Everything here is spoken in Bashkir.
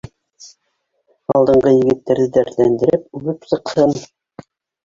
— Алдынғы егеттәрҙе дәртләндереп, үбеп сыҡһын